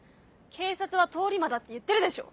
警察は通り魔だって言ってるでしょ！